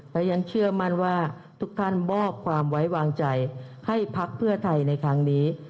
และยังเชื่อมั่นว่าทุกท่านมอบความไว้วางใจให้พักเพื่อไทยในครั้งนี้